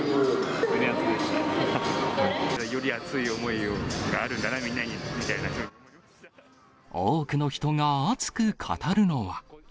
より熱い思いがあるんだな、多くの人が熱く語るのは。